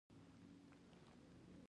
بايد يوازې درې فوټه نور هم کيندنې شوې وای.